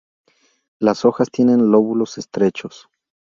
Las hojas tienen lóbulos estrechos.